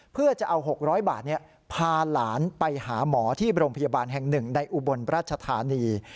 เพื่อจะเอา๖๐๐บาทพาหลานไปหาหมอที่โรงพยาบาลแห่ง๑ในอุบลราชธานี